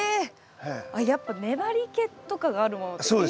あっやっぱ粘りけとかがあるものっていいんですね。